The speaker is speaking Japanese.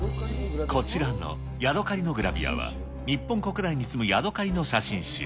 こちらのヤドカリのグラビアは、日本国内に住むヤドカリの写真集。